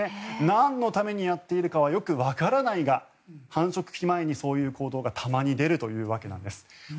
なんのためにやっているかはよくわからないが繁殖期前にそういう行動がたまに出るというわけです。